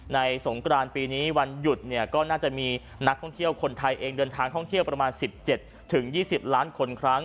สงกรานปีนี้วันหยุดเนี่ยก็น่าจะมีนักท่องเที่ยวคนไทยเองเดินทางท่องเที่ยวประมาณ๑๗๒๐ล้านคนครั้ง